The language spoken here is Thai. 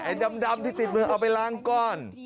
ดำที่ติดมือเอาไปล้างก้อน